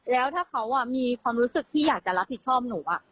แล้วถ้าเขามีความรู้สึกที่อยากจะรับผิดชอบหนู